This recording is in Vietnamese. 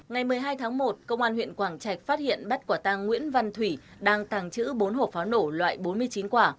ngày một mươi hai tháng một công an huyện quảng trạch phát hiện bắt quả tăng nguyễn văn thủy đang tàng trữ bốn hộp pháo nổ loại bốn mươi chín quả